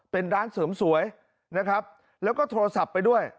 เป็นร้านเสริมสวยนะครับแล้วก็โทรศัพท์ไปด้วย